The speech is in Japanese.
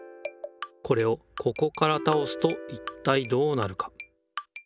これをここから倒すといったいどうなるか？